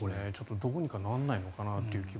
どうにかなんないのかなという気が。